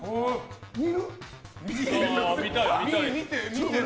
見たい。